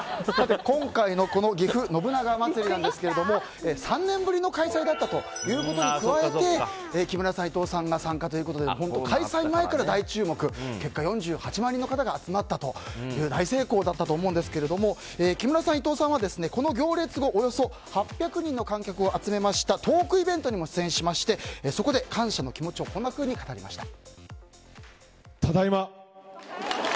今回の、ぎふ信長まつりですが３年ぶりの開催だったということに加えて木村さん、伊藤さんが参加ということで本当に開催前から大注目結果、４８万人の方が集まったという大成功だったと思うんですけども木村さん、伊藤さんはこの行列後およそ８００人の観客を集めたトークイベントにも出演しましてそこで感謝の気持ちを語りました。